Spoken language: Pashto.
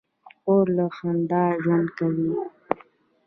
خور له خندا ژوند کوي.